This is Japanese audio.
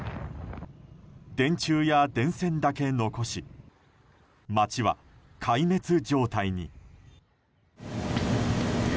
電柱や電線だけ残し街は壊滅状態に。